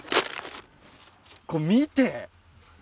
これ見て。